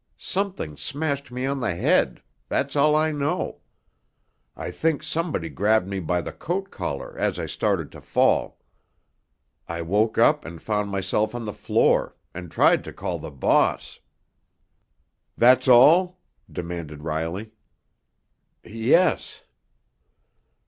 Something smashed me on the head—that's all I know. I think somebody grabbed me by the coat collar as I started to fall. I woke up and found myself on the floor—and tried to call the boss." "That's all?" demanded Riley. "Y yes."